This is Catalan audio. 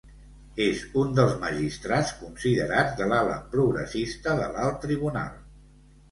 És un dels magistrats considerats de l’ala progressista de l’alt tribunal.